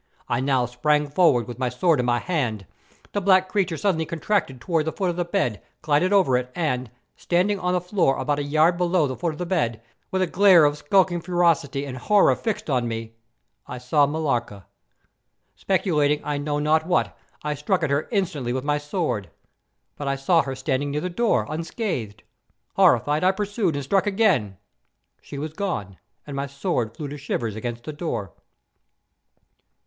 I now sprang forward, with my sword in my hand. The black creature suddenly contracted towards the foot of the bed, glided over it, and, standing on the floor about a yard below the foot of the bed, with a glare of skulking ferocity and horror fixed on me, I saw Millarca. Speculating I know not what, I struck at her instantly with my sword; but I saw her standing near the door, unscathed. Horrified, I pursued, and struck again. She was gone; and my sword flew to shivers against the door.